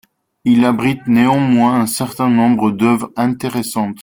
Il abrite néanmoins un certain nombre d'œuvres intéressantes.